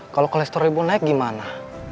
kalau kolesterol ibu naik gimana